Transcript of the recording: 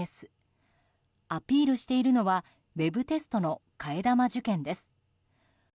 アピールしているのはウェブテストの替え玉受験です。